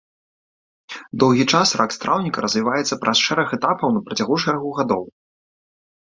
Доўгі час рак страўніка развіваецца праз шэраг этапаў на працягу шэрагу гадоў.